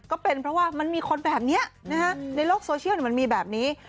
ก็เป็นเพราะว่ามันมีคนแบบนี้ในโลกโซเชียลมันมีแบบนี้